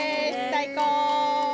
最高！